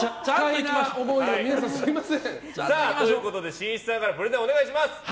しんいちさんからプレゼンお願いします。